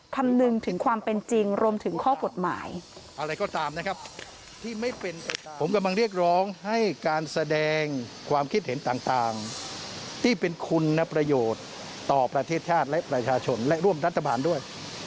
คำนึงถึงความเป็นจริงรวมถึงข้อบทหมาย